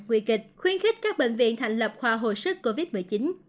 nguy kịch khuyến khích các bệnh viện thành lập khoa hồi sức covid một mươi chín